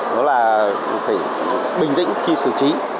nó là phải bình tĩnh khi xử trí